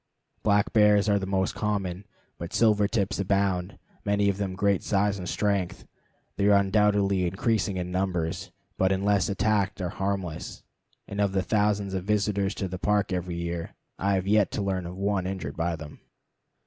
Black bears are the most common, but silver tips abound, many of them of great size and strength. They are undoubtedly increasing in numbers, but unless attacked are harmless; and of the thousands of visitors to the Park every year I have yet to learn of one injured by them.